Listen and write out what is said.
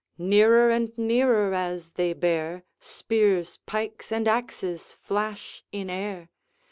Nearer and nearer as they bear, Spears, pikes, and axes flash in air.